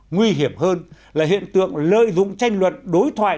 nguy hiểm hơn là hiện tượng lợi dụng tranh luận đối thoại